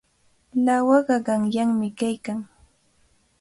Lawaqa qamyami kaykan.